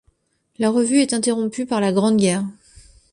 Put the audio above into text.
La revue est interrompue par la Grande Guerre.